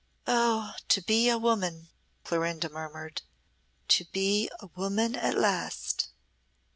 "Oh! to be a woman," Clorinda murmured. "To be a woman at last.